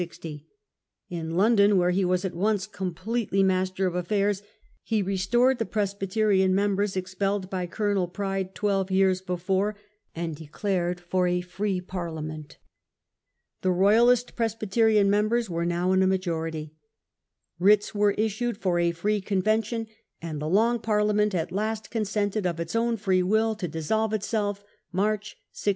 In London, where he was at once completely master of His march to affairs, he restored the Presbyterian members London. expelled by Colonel Pride twelve years before, and declared for a free Parliament. The Royalist Pres THE RESTORATION. 69 byterian members were now in a majority. Writs were issued for a free "Convention", and the Long Parliament at last consented of its own free will to dissolve itself (March, 1660).